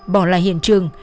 bỏ lại hiện trường